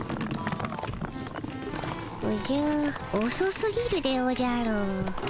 おじゃおそすぎるでおじゃる。